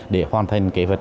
để hoàn thành kế hoạch